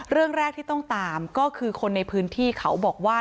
เรื่องแรกที่ต้องตามก็คือคนในพื้นที่เขาบอกว่า